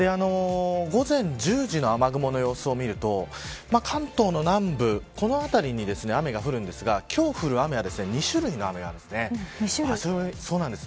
午前１０時の雨雲の様子を見ると関東の南部、この辺りに雨が降るんですが今日降る雨は２種類の雨があります。